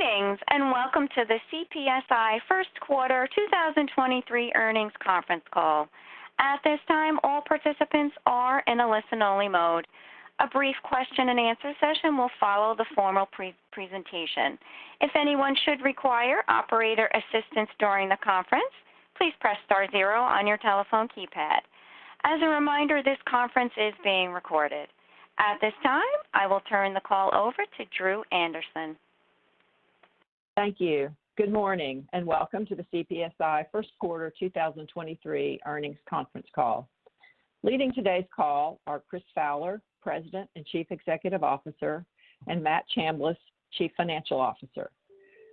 Greetings, welcome to the CPSI first quarter 2023 earnings conference call. At this time, all participants are in a listen-only mode. A brief question and answer session will follow the formal presentation. If anyone should require operator assistance during the conference, please press star zero on your telephone keypad. As a reminder, this conference is being recorded. At this time, I will turn the call over to Dru Anderson. Thank you. Good morning, and welcome to the CPSI first quarter 2023 earnings conference call. Leading today's call are Chris Fowler, President and Chief Executive Officer, and Matt Chambless, Chief Financial Officer.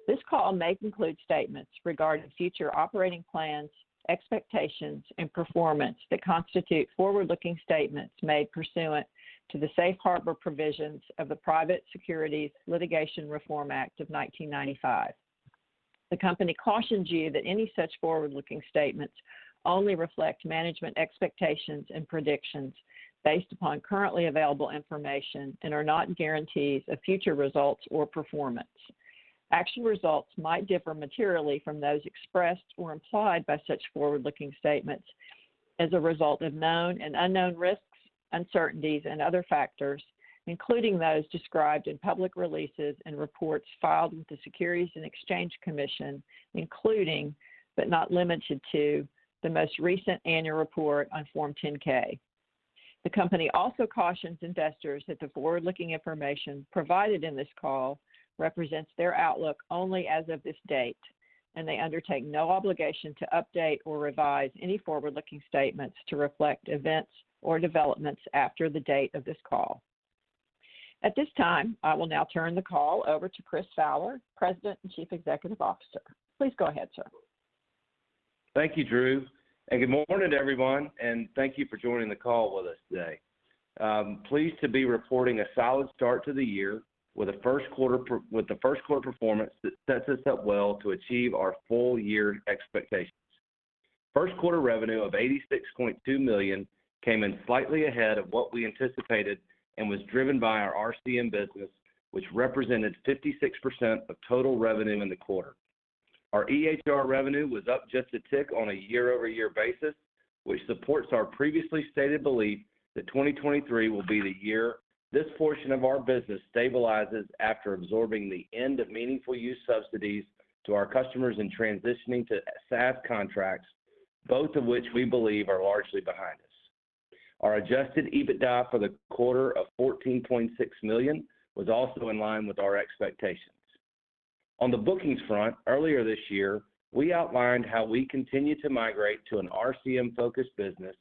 This call may include statements regarding future operating plans, expectations, and performance that constitute forward-looking statements made pursuant to the safe harbor provisions of the Private Securities Litigation Reform Act of 1995. The company cautions you that any such forward-looking statements only reflect management expectations and predictions based upon currently available information and are not guarantees of future results or performance. Actual results might differ materially from those expressed or implied by such forward-looking statements as a result of known and unknown risks, uncertainties, and other factors, including those described in public releases and reports filed with the Securities and Exchange Commission, including, but not limited to, the most recent annual report on Form 10-K. The company also cautions investors that the forward-looking information provided in this call represents their outlook only as of this date, and they undertake no obligation to update or revise any forward-looking statements to reflect events or developments after the date of this call. At this time, I will now turn the call over to Chris Fowler, President and Chief Executive Officer. Please go ahead, sir. Thank you, Dru. Good morning to everyone, and thank you for joining the call with us today. Pleased to be reporting a solid start to the year with a first quarter performance that sets us up well to achieve our full year expectations. First quarter revenue of $86.2 million came in slightly ahead of what we anticipated and was driven by our RCM business, which represented 56% of total revenue in the quarter. Our EHR revenue was up just a tick on a year-over-year basis, which supports our previously stated belief that 2023 will be the year this portion of our business stabilizes after absorbing the end of meaningful use subsidies to our customers in transitioning to SaaS contracts, both of which we believe are largely behind us. Our adjusted EBITDA for the quarter of $14.6 million was also in line with our expectations. On the bookings front, earlier this year, we outlined how we continue to migrate to an RCM-focused business.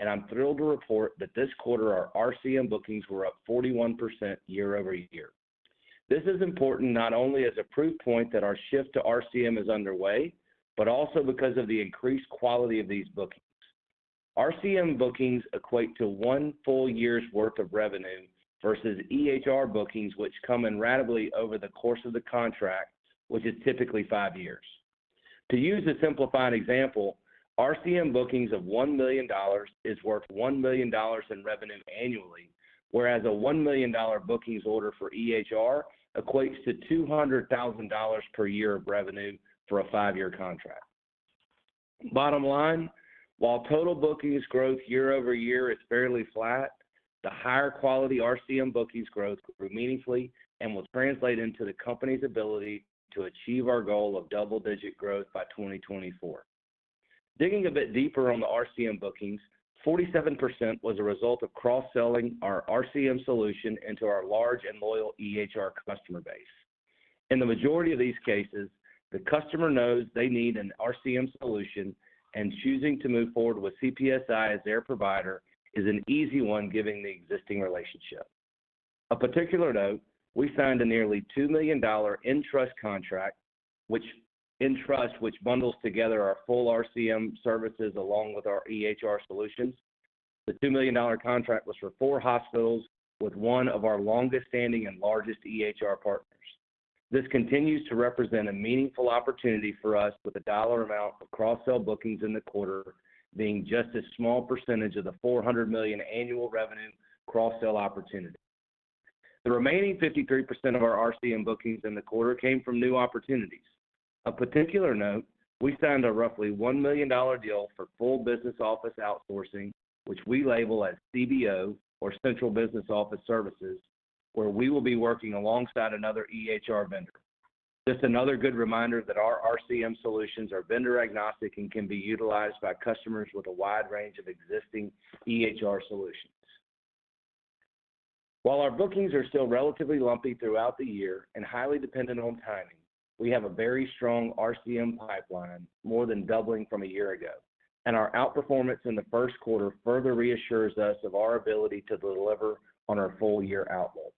I'm thrilled to report that this quarter, our RCM bookings were up 41% year-over-year. This is important not only as a proof point that our shift to RCM is underway. Also because of the increased quality of these bookings. RCM bookings equate to one full year's worth of revenue versus EHR bookings, which come in ratably over the course of the contract, which is typically five years. To use a simplified example, RCM bookings of $1 million is worth $1 million in revenue annually, whereas a $1 million bookings order for EHR equates to $200,000 per year of revenue for a five-year contract. Bottom line, while total bookings growth year-over-year is fairly flat, the higher quality RCM bookings growth grew meaningfully and will translate into the company's ability to achieve our goal of double-digit growth by 2024. Digging a bit deeper on the RCM bookings, 47% was a result of cross-selling our RCM solution into our large and loyal EHR customer base. In the majority of these cases, the customer knows they need an RCM solution. Choosing to move forward with CPSI as their provider is an easy one given the existing relationship. Of particular note, we signed a nearly $2 million nTrust contract which bundles together our full RCM services along with our EHR solutions. The $2 million contract was for four hospitals with one of our longest standing and largest EHR partners. This continues to represent a meaningful opportunity for us with the dollar amount of cross-sell bookings in the quarter being just a small % of the $400 million annual revenue cross-sell opportunity. The remaining 53% of our RCM bookings in the quarter came from new opportunities. Of particular note, we signed a roughly $1 million deal for full business office outsourcing, which we label as CBO, or central business office services, where we will be working alongside another EHR vendor. Another good reminder that our RCM solutions are vendor agnostic and can be utilized by customers with a wide range of existing EHR solutions. While our bookings are still relatively lumpy throughout the year and highly dependent on timing, we have a very strong RCM pipeline, more than doubling from a year ago, and our outperformance in the first quarter further reassures us of our ability to deliver on our full-year outlook.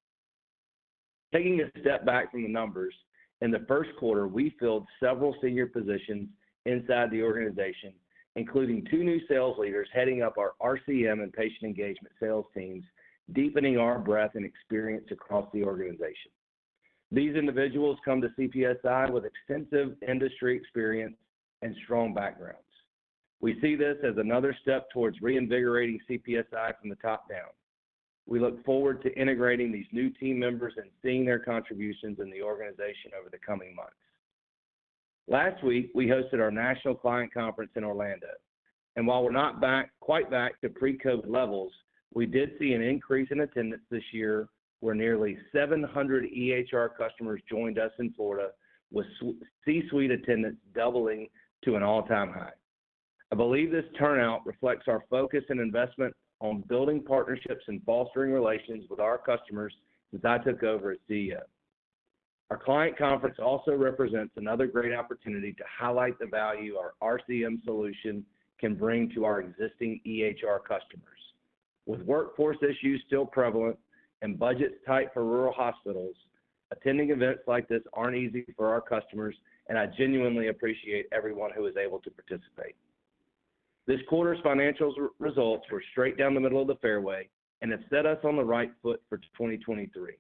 Taking a step back from the numbers, in the first quarter, we filled several senior positions inside the organization, including two new sales leaders heading up our RCM and patient engagement sales teams, deepening our breadth and experience across the organization. These individuals come to CPSI with extensive industry experience and strong backgrounds. We see this as another step towards reinvigorating CPSI from the top down. We look forward to integrating these new team members and seeing their contributions in the organization over the coming months. Last week, we hosted our national client conference in Orlando, and while we're not quite back to pre-COVID levels, we did see an increase in attendance this year, where nearly 700 EHR customers joined us in Florida with C-suite attendance doubling to an all-time high. I believe this turnout reflects our focus and investment on building partnerships and fostering relations with our customers since I took over at CEO. Our client conference also represents another great opportunity to highlight the value our RCM solution can bring to our existing EHR customers. With workforce issues still prevalent and budgets tight for rural hospitals, attending events like this aren't easy for our customers, and I genuinely appreciate everyone who is able to participate. This quarter's financials results were straight down the middle of the fairway and have set us on the right foot for 2023.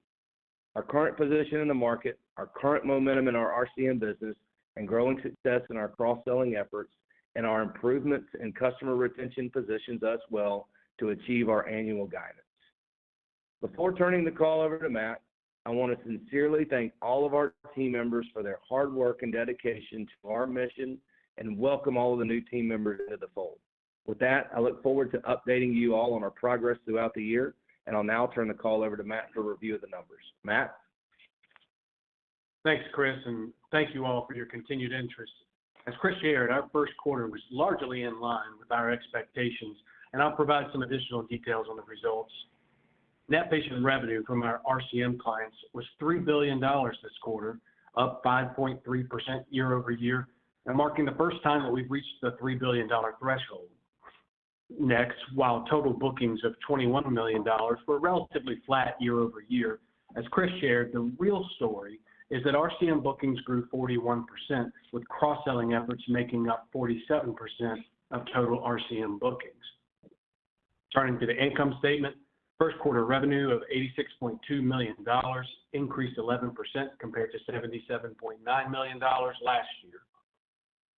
Our current position in the market, our current momentum in our RCM business, and growing success in our cross-selling efforts and our improvements in customer retention positions us well to achieve our annual guidance. Before turning the call over to Matt, I wanna sincerely thank all of our team members for their hard work and dedication to our mission and welcome all of the new team members into the fold. With that, I look forward to updating you all on our progress throughout the year, and I'll now turn the call over to Matt for a review of the numbers. Matt? Thanks, Chris, and thank you all for your continued interest. As Chris shared, our first quarter was largely in line with our expectations, and I'll provide some additional details on the results. Net patient revenue from our RCM clients was $3 billion this quarter, up 5.3% year-over-year and marking the first time that we've reached the $3 billion threshold. While total bookings of $21 million were relatively flat year-over-year, as Chris shared, the real story is that RCM bookings grew 41%, with cross-selling efforts making up 47% of total RCM bookings. Turning to the income statement, first quarter revenue of $86.2 million increased 11% compared to $77.9 million last year.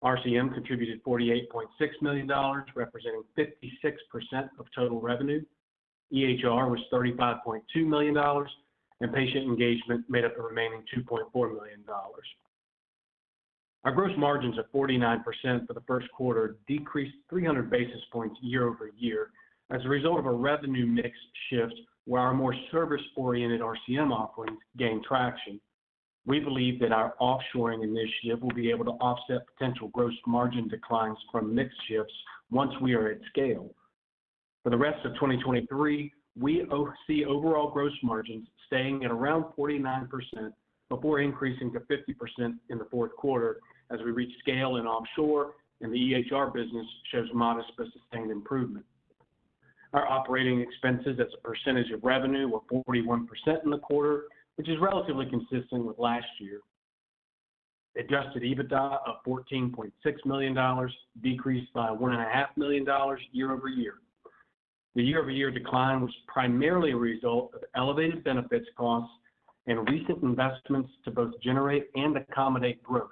RCM contributed $48.6 million, representing 56% of total revenue. EHR was $35.2 million, and patient engagement made up the remaining $2.4 million. Our gross margins of 49% for the first quarter decreased 300 basis points year-over-year as a result of a revenue mix shift where our more service-oriented RCM offerings gained traction. We believe that our offshoring initiative will be able to offset potential gross margin declines from mix shifts once we are at scale. For the rest of 2023, we see overall gross margins staying at around 49% before increasing to 50% in the fourth quarter as we reach scale in offshore and the EHR business shows modest but sustained improvement. Our operating expenses as a percentage of revenue were 41% in the quarter, which is relatively consistent with last year. Adjusted EBITDA of $14.6 million decreased by $1.5 million year-over-year. The year-over-year decline was primarily a result of elevated benefits costs and recent investments to both generate and accommodate growth.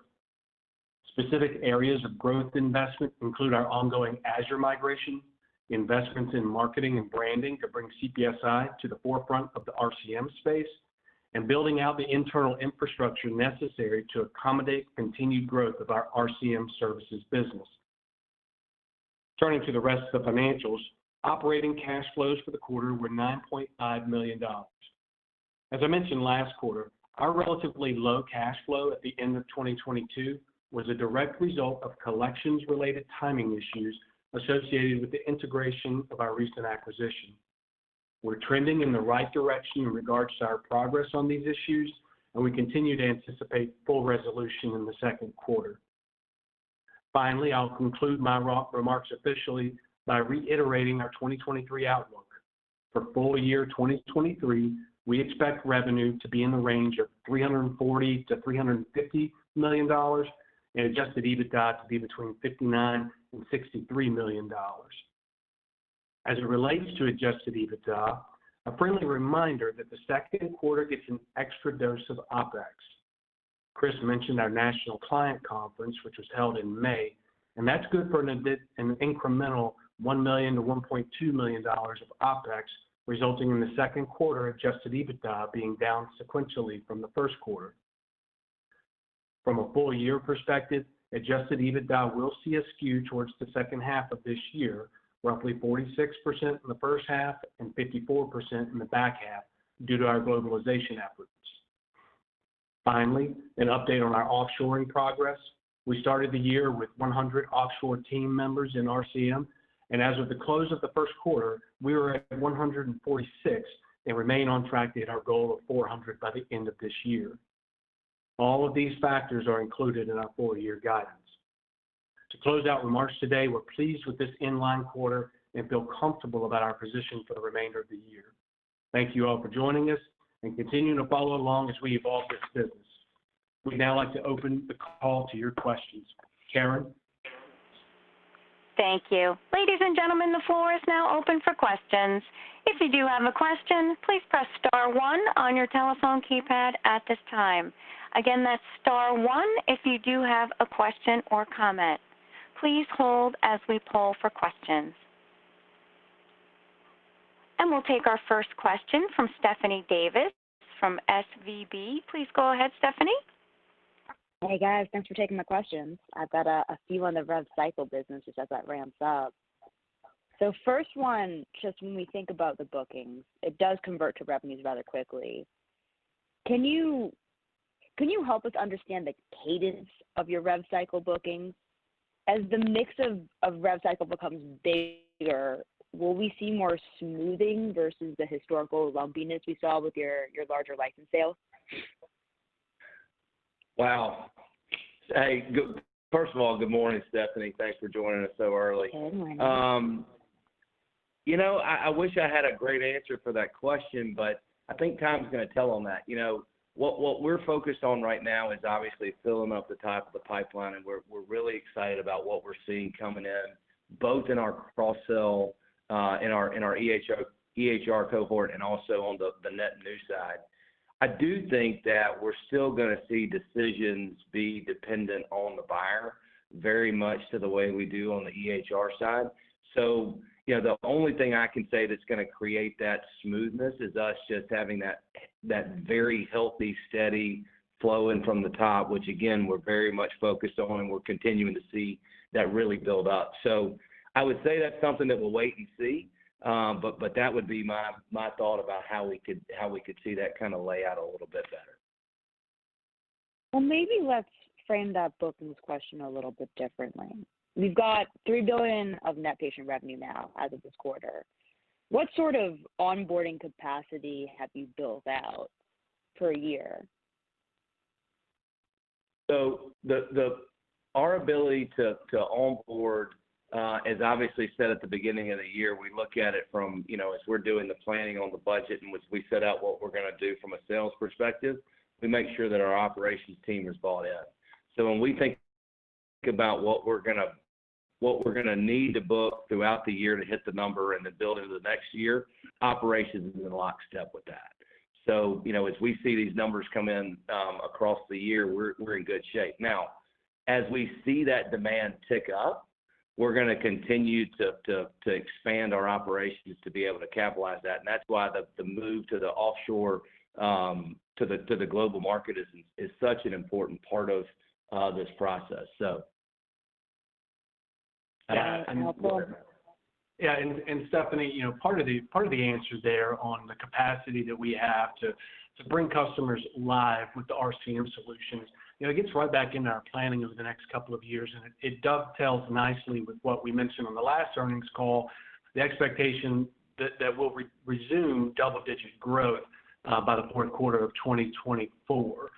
Specific areas of growth investment include our ongoing Azure migration, investments in marketing and branding to bring CPSI to the forefront of the RCM space, and building out the internal infrastructure necessary to accommodate continued growth of our RCM services business. Turning to the rest of the financials, operating cash flows for the quarter were $9.5 million. As I mentioned last quarter, our relatively low cash flow at the end of 2022 was a direct result of collections-related timing issues associated with the integration of our recent acquisition. We're trending in the right direction in regards to our progress on these issues, and we continue to anticipate full resolution in the second quarter. Finally, I'll conclude my remarks officially by reiterating our 2023 outlook. For full year 2023, we expect revenue to be in the range of $340 million-$350 million and adjusted EBITDA to be between $59 million and $63 million. As it relates to adjusted EBITDA, a friendly reminder that the second quarter gets an extra dose of OpEx. Chris mentioned our national client conference, which was held in May, and that's good for an incremental $1 million-$1.2 million of OpEx, resulting in the second quarter adjusted EBITDA being down sequentially from the first quarter. From a full year perspective, adjusted EBITDA will see a skew towards the second half of this year, roughly 46% in the first half and 54% in the back half due to our globalization efforts. Finally, an update on our offshoring progress. We started the year with 100 offshore team members in RCM, and as of the close of the first quarter, we were at 146 and remain on track to hit our goal of 400 by the end of this year. All of these factors are included in our full year guidance. To close out remarks today, we're pleased with this in-line quarter and feel comfortable about our position for the remainder of the year. Thank you all for joining us and continuing to follow along as we evolve this business. We'd now like to open the call to your questions. Karen? Thank you. Ladies and gentlemen, the floor is now open for questions. If you do have a question. Star one on your telephone keypad at this time. Again, that's star one if you do have a question or comment. Please hold as we poll for questions. We'll take our first question from Stephanie Davis from SVB. Please go ahead, Stephanie. Hey, guys. Thanks for taking the questions. I've got a few on the rev cycle business as that raNPS up. First one, just when we think about the bookings, it does convert to revenues rather quickly. Can you help us understand the cadence of your rev cycle bookings? As the mix of rev cycle becomes bigger, will we see more smoothing versus the historical lumpiness we saw with your larger license sales? Wow. Hey, first of all, good morning, Stephanie. Thanks for joining us so early. Good morning. You know, I wish I had a great answer for that question, but I think time's gonna tell on that. You know, what we're focused on right now is obviously filling up the top of the pipeline, and we're really excited about what we're seeing coming in, both in our cross sell, in our EHR cohort and also on the net new side. I do think that we're still gonna see decisions be dependent on the buyer very much to the way we do on the EHR side. You know, the only thing I can say that's gonna create that smoothness is us just having that very healthy, steady flow in from the top, which again, we're very much focused on, and we're continuing to see that really build up. I would say that's something that we'll wait and see. That would be my thought about how we could see that kinda lay out a little bit better. Maybe let's frame that bookings question a little bit differently. We've got $3 billion of net patient revenue now as of this quarter. What sort of onboarding capacity have you built out per year? Our ability to onboard is obviously set at the beginning of the year. We look at it from, you know, as we're doing the planning on the budget in which we set out what we're gonna do from a sales perspective, we make sure that our operations team is bought in. When we think about what we're gonna need to book throughout the year to hit the number and then build into the next year, operations is in lockstep with that. You know, as we see these numbers come in across the year, we're in good shape. As we see that demand tick up, we're gonna continue to expand our operations to be able to capitalize that, and that's why the move to the offshore, to the global market is such an important part of this process, so. That's helpful. Yeah. Stephanie, you know, part of the answer there on the capacity that we have to bring customers live with the RCM solutions, you know, gets right back into our planning over the next couple of years, and it dovetails nicely with what we mentioned on the last earnings call, the expectation that we'll resume double-digit growth by the fourth quarter of 2024.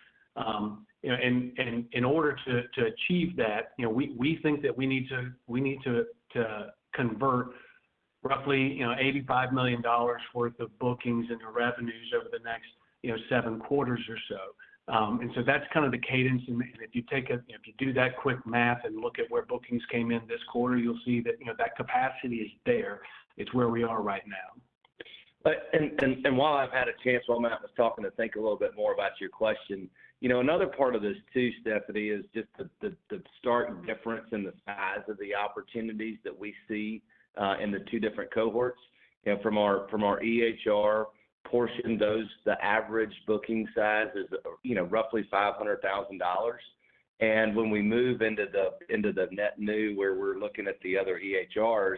You know, in order to achieve that, you know, we think that we need to convert roughly, you know, $85 million worth of bookings into revenues over the next, you know, seven quarters or so. That's kind of the cadence. If you take a... If you do that quick math and look at where bookings came in this quarter, you'll see that, you know, that capacity is there. It's where we are right now. While I've had a chance, while Matt was talking, to think a little bit more about your question, you know, another part of this too, Stephanie, is just the stark difference in the size of the opportunities that we see in the two different cohorts. You know, from our EHR portion, the average booking size is, you know, roughly $500,000. When we move into the net new, where we're looking at the other EHRs,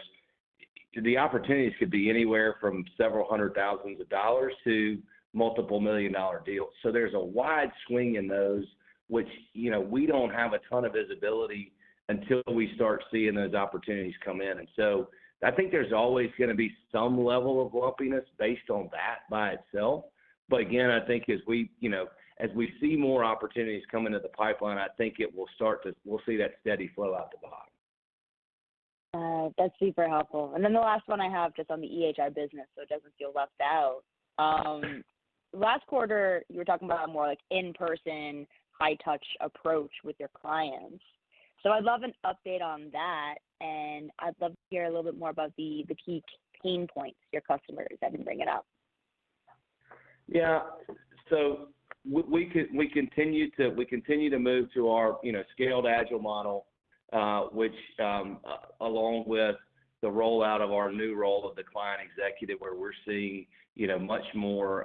the opportunities could be anywhere from several hundred thousands of dollars to multiple million-dollar deals. There's a wide swing in those, which, you know, we don't have a ton of visibility until we start seeing those opportunities come in. I think there's always gonna be some level of lumpiness based on that by itself. Again, I think as we, you know, as we see more opportunities come into the pipeline, I think it will. We'll see that steady flow out the bottom. That's super helpful. The last one I have just on the EHR business, so it doesn't feel left out. Last quarter, you were talking about more, like, in-person, high-touch approach with your clients. I'd love an update on that, and I'd love to hear a little bit more about the key pain points your customers have been bringing up. Yeah. We continue to move to our, you know, scaled agile model, which, along with the rollout of our new role of the client executive, where we're seeing, you know, much more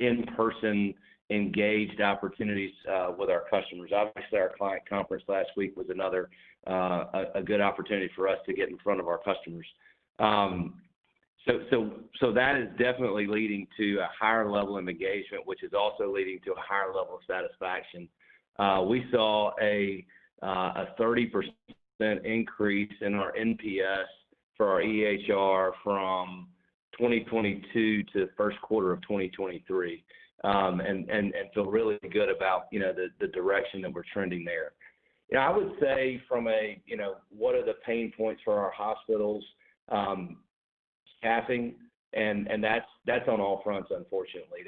in-person engaged opportunities with our customers. Obviously, our client conference last week was another a good opportunity for us to get in front of our customers. That is definitely leading to a higher level of engagement, which is also leading to a higher level of satisfaction. We saw a 30% increase in our NPS for our EHR from 2022 to the first quarter of 2023. Feel really good about, you know, the direction that we're trending there. You know, I would say from a, you know, what are the pain points for our hospitals, staffing, and that's on all fronts, unfortunately.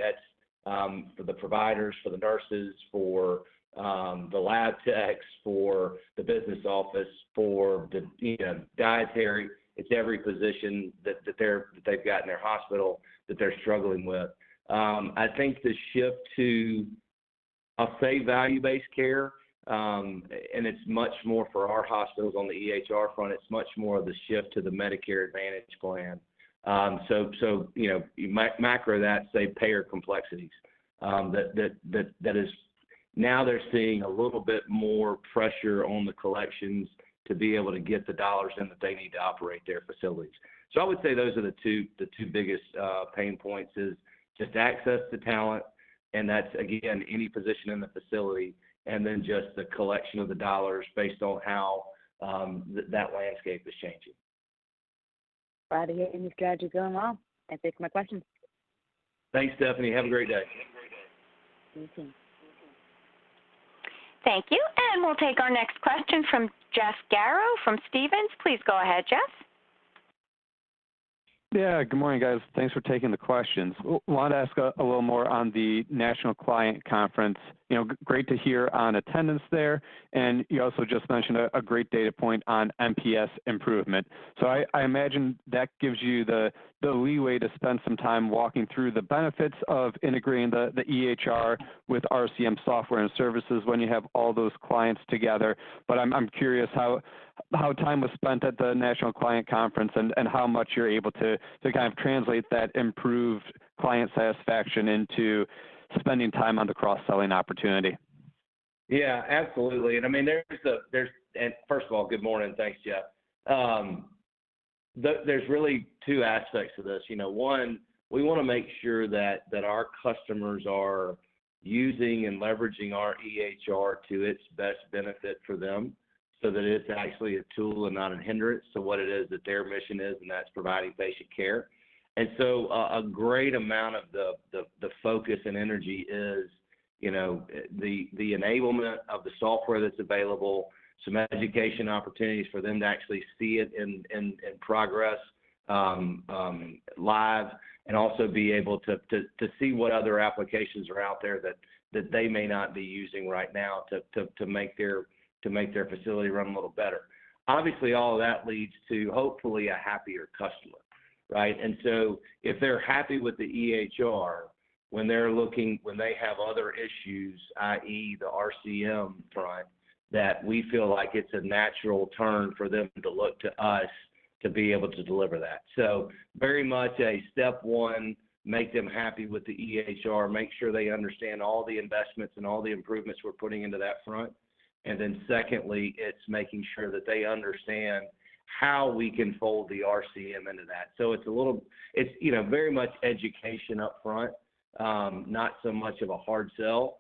For the providers, for the nurses, for the lab techs, for the business office, for the, you know, dietary. It's every position that they've got in their hospital that they're struggling with. I think the shift to, I'll say, value-based care, it's much more for our hospitals on the EHR front, it's much more of the shift to the Medicare Advantage plan. Payer complexities, that is now they're seeing a little bit more pressure on the collections to be able to get the dollars in that they need to operate their facilities. I would say those are the two, the two biggest, pain points is just access to talent, and that's again any position in the facility, and then just the collection of the dollars based on how, that landscape is changing. Glad to hear you've got your going well. That's it for my questions. Thanks, Stephanie. Have a great day. You too. You too. Thank you. We'll take our next question from Jeff Garro from Stephens. Please go ahead, Jeff. Yeah. Good morning, guys. Thanks for taking the questions. Wanna ask a little more on the National Client Conference. You know, great to hear on attendance there. You also just mentioned a great data point on NPS improvement. I imagine that gives you the leeway to spend some time walking through the benefits of integrating the EHR with RCM software and services when you have all those clients together. I'm curious how time was spent at the National Client Conference and how much you're able to kind of translate that improved client satisfaction into spending time on the cross-selling opportunity. Yeah, absolutely. I mean, there's. First of all, good morning. Thanks, Jeff. There's really two aspects to this. You know, one, we wanna make sure that our customers are using and leveraging our EHR to its best benefit for them so that it's actually a tool and not a hindrance to what it is that their mission is, and that's providing patient care. So a great amount of the focus and energy is, you know, the enablement of the software that's available, some education opportunities for them to actually see it in progress live, and also be able to see what other applications are out there that they may not be using right now to make their facility run a little better. Obviously, all that leads to hopefully a happier customer, right? If they're happy with the EHR when they're looking, when they have other issues, i.e., the RCM front, that we feel like it's a natural turn for them to look to us to be able to deliver that. Very much a step one, make them happy with the EHR, make sure they understand all the investments and all the improvements we're putting into that front. Then secondly, it's making sure that they understand how we can fold the RCM into that. It's, you know, very much education upfront, not so much of a hard sell.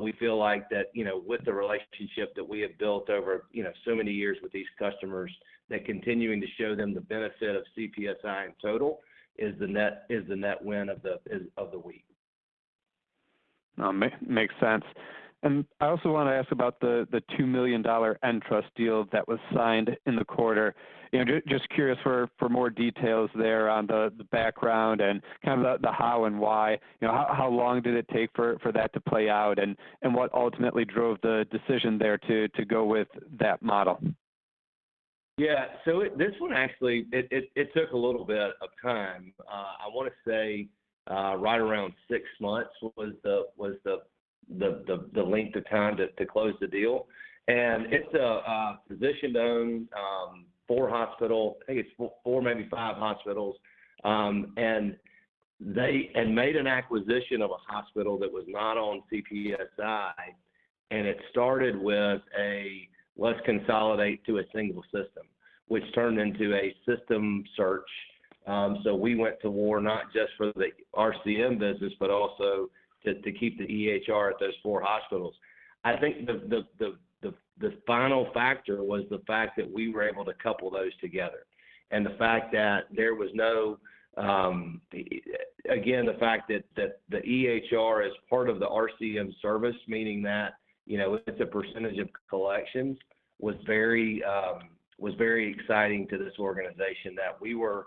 We feel like that, you know, with the relationship that we have built over, you know, so many years with these customers, that continuing to show them the benefit of CPSI in total is the net win of the week. Makes sense. I also wanna ask about the $2 million nTrust deal that was signed in the quarter. You know, just curious for more details there on the background and kind of the how and why. You know, how long did it take for that to play out, and what ultimately drove the decision there to go with that model? Yeah. This one actually, it took a little bit of time. I wanna say, right around six months was the length of time to close the deal. It's a physician-owned, four hospital, I think it's four, maybe five hospitals. Made an acquisition of a hospital that was not on CPSI, and it started with a, "Let's consolidate to a single system," which turned into a system search. We went to war not just for the RCM business but also to keep the EHR at those four hospitals. I think the final factor was the fact that we were able to couple those together and the fact that there was no, again, the fact that the EHR is part of the RCM service, meaning that, you know, it's a percentage of collections, was very, was very exciting to this organization that we were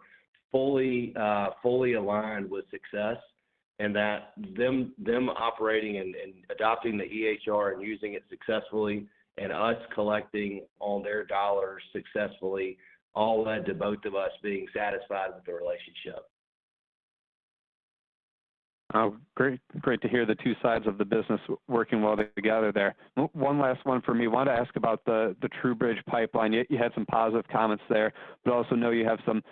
fully aligned with success and that them operating and adopting the EHR and using it successfully and us collecting all their dollars successfully all led to both of us being satisfied with the relationship. Oh, great to hear the two sides of the business working well together there. One last one for me. Want to ask about the TruBridge pipeline. You had some positive comments there, but also know you have some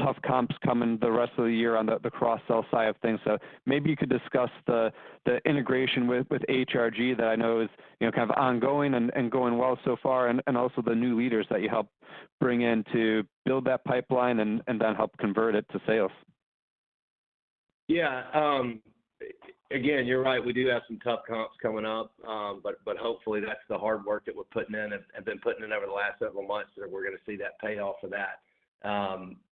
tough coNPS coming the rest of the year on the cross-sell side of things. Maybe you could discuss the integration with HRG that I know is, you know, kind of ongoing and going well so far and also the new leaders that you helped bring in to build that pipeline and then help convert it to sales. Yeah. Again, you're right. We do have some tough coNPS coming up. Hopefully that's the hard work that we're putting in and been putting in over the last several months, that we're gonna see that payoff of that.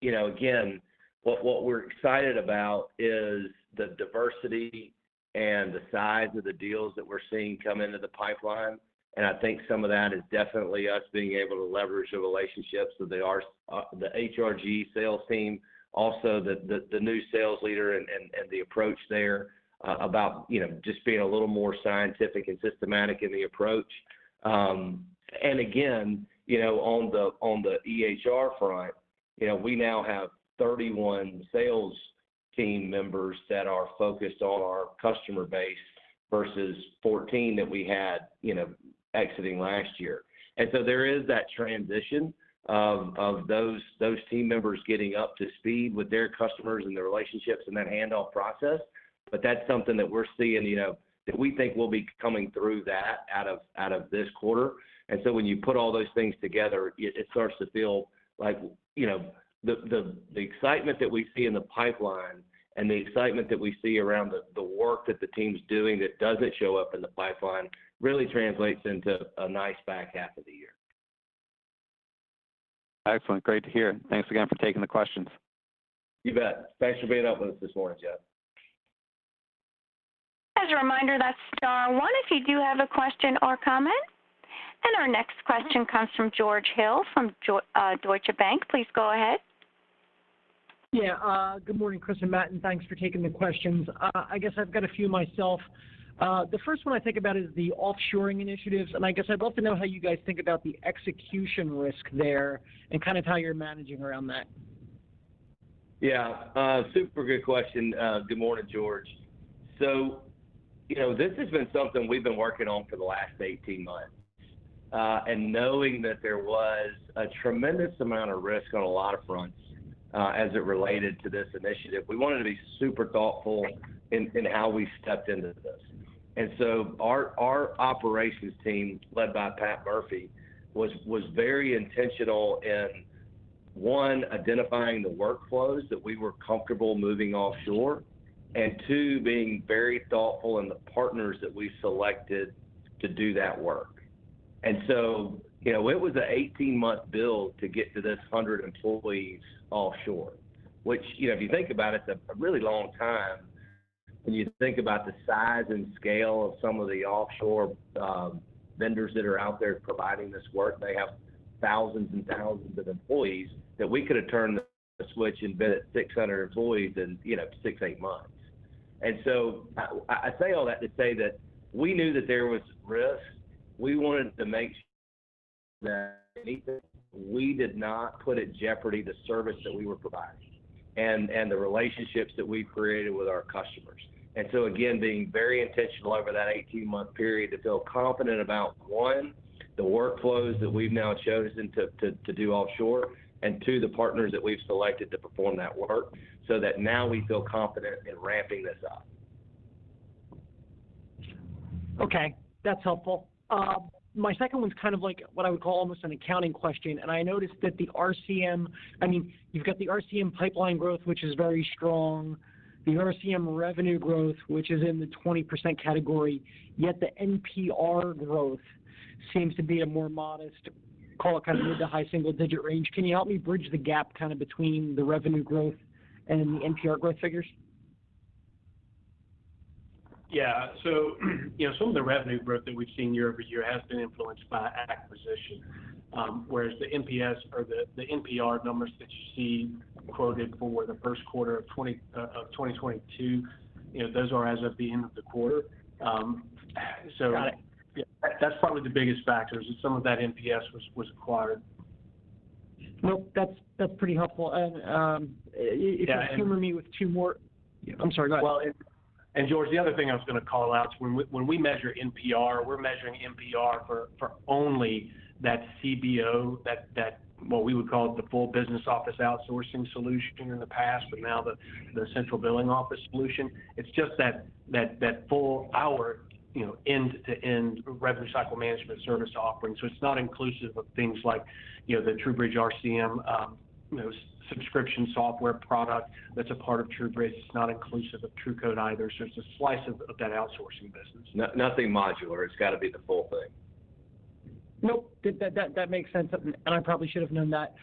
You know, again, what we're excited about is the diversity and the size of the deals that we're seeing come into the pipeline. I think some of that is definitely us being able to leverage the relationships with the HRG sales team, also the new sales leader and the approach there, about, you know, just being a little more scientific and systematic in the approach. Again, you know, on the EHR front, you know, we now have 31 sales team members that are focused on our customer base versus 14 that we had, you know, exiting last year. So there is that transition of those team members getting up to speed with their customers and their relationships and that handoff process. That's something that we're seeing, you know, that we think we'll be coming through that out of this quarter. When you put all those things together, it starts to feel like, you know, the excitement that we see in the pipeline and the excitement that we see around the work that the team's doing that doesn't show up in the pipeline really translates into a nice back half of the year. Excellent. Great to hear. Thanks again for taking the questions. You bet. Thanks for being up with us this morning, Jeff. As a reminder, that's star one if you do have a question or comment. Our next question comes from George Hill from Deutsche Bank. Please go ahead. Yeah. Good morning, Chris and Matt. Thanks for taking the questions. I guess I've got a few myself. The first one I think about is the offshoring initiatives. I guess I'd love to know how you guys think about the execution risk there and kind of how you're managing around that. Super good question. Good morning, George. You know, this has been something we've been working on for the last 18 months. Knowing that there was a tremendous amount of risk on a lot of fronts, as it related to this initiative, we wanted to be super thoughtful in how we stepped into this. Our operations team, led by Pat Murphy, was very intentional in, one, identifying the workflows that we were comfortable moving offshore, and two, being very thoughtful in the partners that we selected to do that work. You know, it was a 18-month build to get to this 100 employees offshore, which, you know, if you think about it's a really long time when you think about the size and scale of some of the offshore vendors that are out there providing this work. They have thousands and thousands of employees that we could have turned the switch and been at 600 employees in, you know, six, eight months. I say all that to say that we knew that there was risk. We wanted to make sure that we did not put in jeopardy the service that we were providing and the relationships that we created with our customers. Again, being very intentional over that 18-month period to feel confident about, one, the workflows that we've now chosen to do offshore, and two, the partners that we've selected to perform that work so that now we feel confident in ramping this up. That's helpful. My second one's kind of like what I would call almost an accounting question, and I noticed that the RCM... I mean, you've got the RCM pipeline growth, which is very strong, the RCM revenue growth, which is in the 20% category, yet the NPR growth seems to be a more modest, call it kind of in the high single digit range. Can you help me bridge the gap kind of between the revenue growth and the NPR growth figures? You know, some of the revenue growth that we've seen year over year has been influenced by acquisition, whereas the NPS or the NPR numbers that you see quoted for the first quarter of 2022, you know, those are as of the end of the quarter. Got it. Yeah. That's probably the biggest factor, is some of that NPS was acquired. Nope. That's pretty helpful. If you humor me with two more. I'm sorry, go ahead. George, the other thing I was gonna call out, when we measure NPR, we're measuring NPR for only that CBO, that what we would call the full business office outsourcing solution in the past, but now the central billing office solution. It's just that full hour, you know, end-to-end revenue cycle management service offering. It's not inclusive of things like, you know, the TruBridge RCM, you know, subscription software product that's a part of TruBridge. It's not inclusive of TruCode either. It's a slice of that outsourcing business. Nothing modular. It's got to be the full thing. Nope. That makes sense, and I probably should have known that.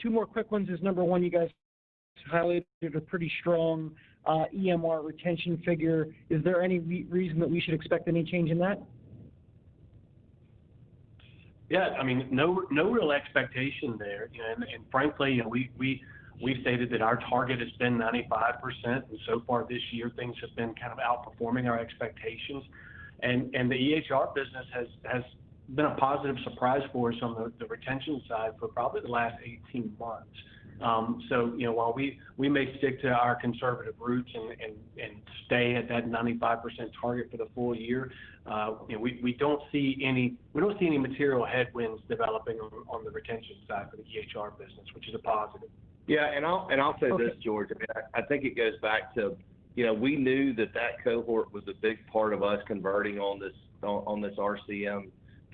Two more quick ones is, number one, you guys highlighted a pretty strong, EMR retention figure. Is there any reason that we should expect any change in that? Yeah, I mean, no real expectation there. Frankly, you know, we've stated that our target has been 95%, and so far this year, things have been kind of outperforming our expectations. The EHR business has been a positive surprise for us on the retention side for probably the last 18 months. You know, while we may stick to our conservative roots and stay at that 95% target for the full year, you know, we don't see any material headwinds developing on the retention side for the EHR business, which is a positive. Yeah. I'll say this, George. I think it goes back to, you know, we knew that that cohort was a big part of us converting on this RCM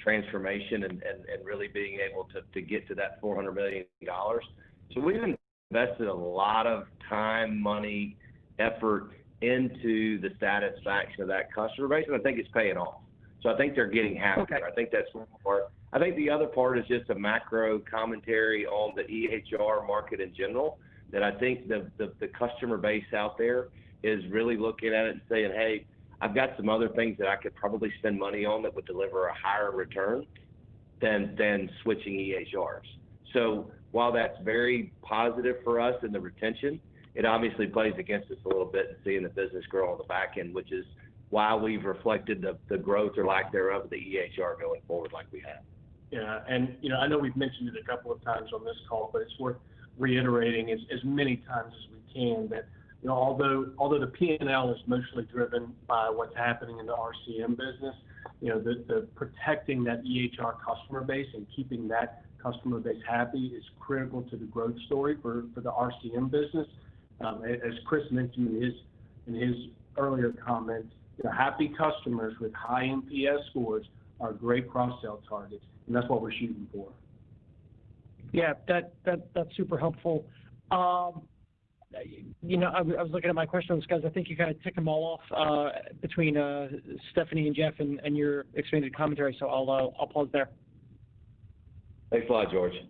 transformation and really being able to get to that $400 million. We've invested a lot of time, money, effort into the satisfaction of that customer base, and I think it's paying off. I think they're getting happy. Okay. I think that's one part. I think the other part is just a macro commentary on the EHR market in general, that I think the customer base out there is really looking at it and saying, "Hey, I've got some other things that I could probably spend money on that would deliver a higher return than switching EHRs." While that's very positive for us in the retention, it obviously plays against us a little bit in seeing the business grow on the back end, which is why we've reflected the growth or lack thereof of the EHR going forward like we have. Yeah. You know, I know we've mentioned it a couple of times on this call, but it's worth reiterating as many times as we can that, you know, although the P&L is mostly driven by what's happening in the RCM business, you know, the protecting that EHR customer base and keeping that customer base happy is critical to the growth story for the RCM business. As Chris mentioned in his earlier comments, you know, happy customers with high NPS scores are great cross-sell targets, and that's what we're shooting for. Yeah, that's super helpful. you know, I was looking at my questions 'cause I think you kind of ticked them all off, between Stephanie and Jeff and your expanded commentary. I'll pause there. Thanks a lot, George.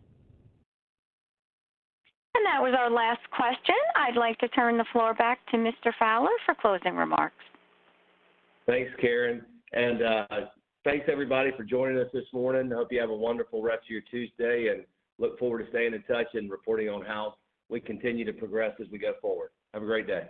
That was our last question. I'd like to turn the floor back to Mr. Fowler for closing remarks. Thanks, Karen. Thanks everybody for joining us this morning. I hope you have a wonderful rest of your Tuesday, and look forward to staying in touch and reporting on how we continue to progress as we go forward. Have a great day.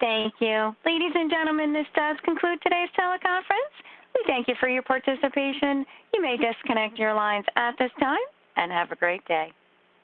Thank you. Ladies and gentlemen, this does conclude today's teleconference. We thank you for your participation. You may disconnect your lines at this time. Have a great day.